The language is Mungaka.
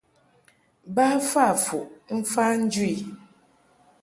Ba fa fuʼ mfa njɨ i.